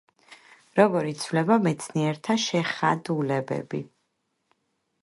როგორ იცვლება მეცნიერთა შეხადულებები